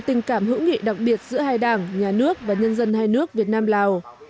tình cảm hữu nghị đặc biệt giữa hai đảng nhà nước và nhân dân hai nước việt nam lào